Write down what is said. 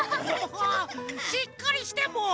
しっかりしてもう！